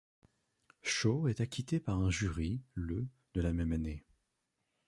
Shaw est acquitté par un jury, le de la même année.